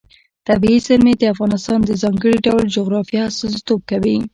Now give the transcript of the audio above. طبیعي زیرمې د افغانستان د ځانګړي ډول جغرافیه استازیتوب کوي.